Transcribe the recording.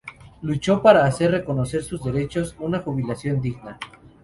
Luchó para hacer reconocer sus derechos a una jubilación digna.